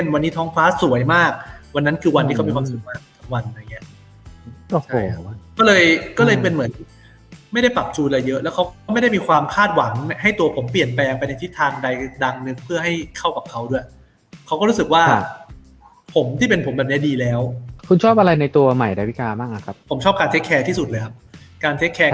วันนี้ท้องฟ้าสวยมากวันนั้นคือวันที่เขามีความสุขมากวันอะไรอย่างเงี้ยก็เลยก็เลยเป็นเหมือนไม่ได้ปรับจูนอะไรเยอะแล้วเขาไม่ได้มีความคาดหวังให้ตัวผมเปลี่ยนแปลงไปในทิศทางใดดังหนึ่งเพื่อให้เข้ากับเขาด้วยเขาก็รู้สึกว่าผมที่เป็นผมแบบนี้ดีแล้วคุณชอบอะไรในตัวใหม่ดาวิกาบ้างอะครับผมชอบการเทคแคร์ที่สุดเลยครับการเทคแคร์